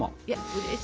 うれしい。